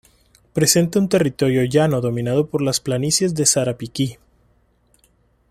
Presenta un territorio llano dominado por las planicies de Sarapiquí.